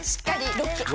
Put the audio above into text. ロック！